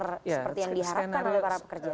seperti yang diharapkan oleh para pekerja